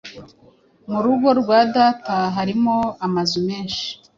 Mu rugo rwa Data harimo amazu menshi